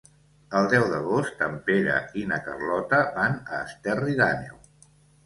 El deu d'agost en Pere i na Carlota van a Esterri d'Àneu.